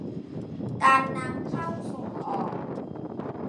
การนำเข้าส่งออก